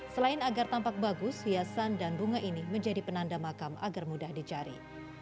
selain agar tampak bagus hiasan dan bunga ini menjadi penanda makam agar mudah dicari